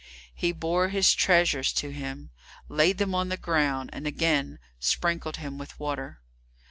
He bore his treasures to him, laid them on the ground, and again sprinkled him with water.